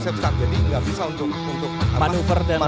jadi gak bisa untuk manuver dan lain lain